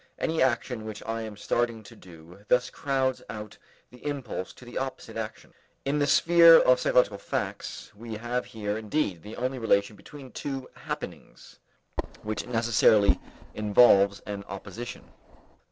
Any action which I am starting to do thus crowds out the impulse to the opposed action. In the sphere of psychological facts, we have here indeed the only relation between two happenings which necessarily involves an opposition.